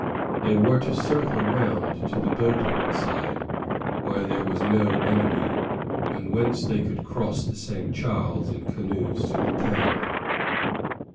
They were to circle round to the Beauport side, where there was no enemy, and whence they could cross the St. Charles in canoes to the town.